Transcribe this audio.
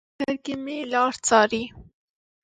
سترګې مې لار څارې